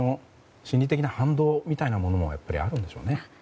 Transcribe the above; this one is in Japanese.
心理的な反動もやっぱりあるんでしょうね。